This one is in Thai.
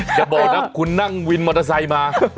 อย่าบอกนะคุณนั่งวินมอเตอร์ไซค์มา